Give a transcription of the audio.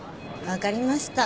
分かりました。